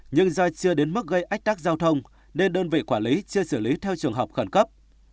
nhưng do chưa đến mức gây ách tắc giao thông nên đơn vị quản lý chưa xử lý theo trường hợp khẩn cấp